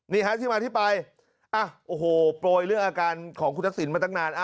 นี่ฮะที่มาที่ไปโอ้โหโปรยเรื่องอาการของคุณทักษิณมาตั้งนาน